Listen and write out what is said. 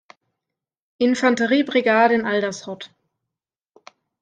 Infanteriebrigade in Aldershot.